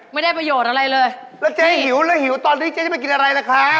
ไม่ได้เลย